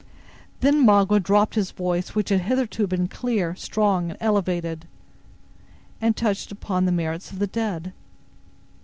Then Magua dropped his voice which had hitherto been clear, strong and elevated, and touched upon the merits of the dead.